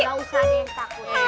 enggak usah ada yang takut